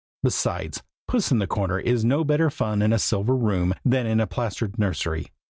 Besides, puss in the corner is no better fun in a silver room than in a plastered nursery.